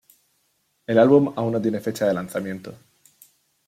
El álbum aún no tiene fecha de lanzamiento.